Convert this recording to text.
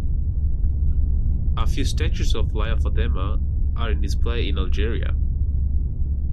A few statues of Lalla Fatma are in display in Algeria.